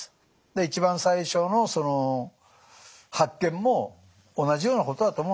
一番最初の発見も同じようなことだと思うんですよね。